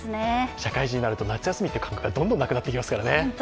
社会人になると夏休みという感覚がどんどんなくなっていきますからね。